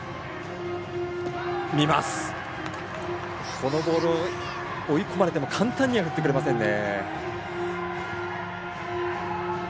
このボールを追い込まれても簡単には振ってくれませんね。